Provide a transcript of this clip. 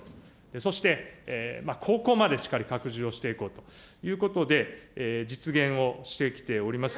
そして高校までしっかり拡充をしていこうということで、実現をしてきております。